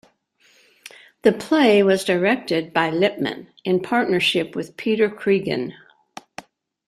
The play was directed by Lipman in partnership with Peter Cregeen.